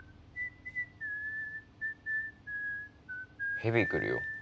ヘビ来るよ